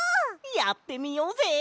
やってみようぜ！